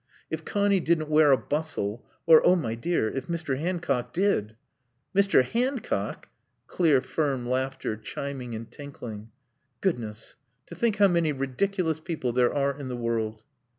"If Connie didn't wear a bustle or, oh my dear, if Mr. Hancock did " "Mr. Hancock!" Clear, firm laughter, chiming and tinkling. "Goodness! To think how many ridiculous people there are in the world!"